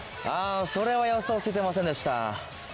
それは予想してませんでした。